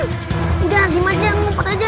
udah dimajan muka aja